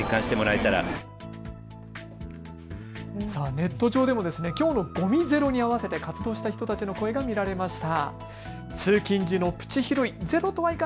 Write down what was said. ネット上でもきょうのごみゼロに合わせて活動した人たちの声が見られました。